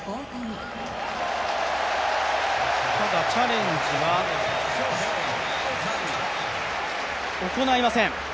ただ、チャレンジは行いません。